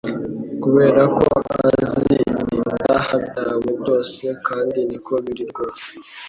Kuberako azi ibyaha byawe byose kandi niko biri rwose